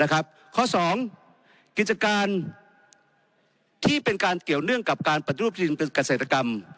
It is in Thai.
ข้อ๒กิจการที่เป็นการเกี่ยวเนื่องกับการปฏิรูปที่ดินเป็นเกษตรกรรม